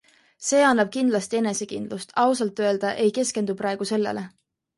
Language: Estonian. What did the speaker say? See annab kindlasti enesekindlust, ausalt öelda ei keskendu praegu sellele.